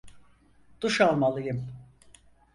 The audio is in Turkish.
Duş almalıyım.